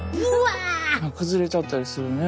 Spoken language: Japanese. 崩れちゃったりするね